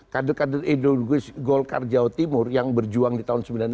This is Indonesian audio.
kader kader indonesia golkar jawa timur yang berjuang di tahun sembilan puluh delapan